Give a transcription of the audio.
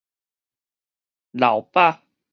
流飽